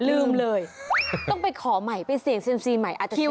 ลืมเลยต้องไปขอใหม่ไปเสี่ยงเซียมซีใหม่อาจจะเที่ยว